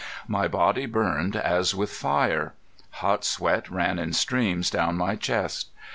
My body burned as with fire. Hot sweat ran in streams down my chest.